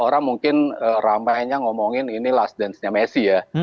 orang mungkin ramainya ngomongin ini last dance nya messi ya